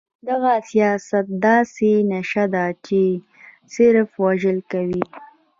دغه سياست داسې نيشه ده چې صرف وژل کوي.